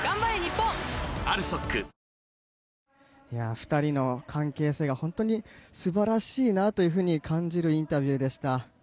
２人の関係性が本当に素晴らしいなと感じるインタビューでした。